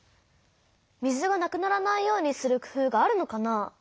水がなくならないようにするくふうがあるのかな？